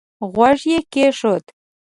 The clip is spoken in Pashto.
غوږ يې کېښود.